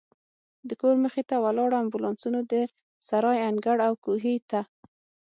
د کور مخې ته ولاړو امبولانسونو، د سرای انګړ او کوهي ته.